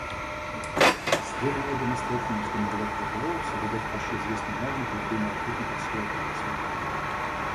Следовало бы настоятельно рекомендовать Прокурору соблюдать хорошо известные нормы поведения работников сферы правосудия.